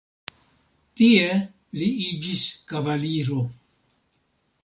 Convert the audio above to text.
Tie li iĝis kavaliro.